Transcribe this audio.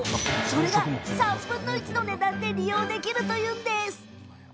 それが、３分の１の値段で利用できるというんです。